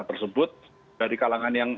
tersebut dari kalangan yang